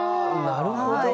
なるほどね。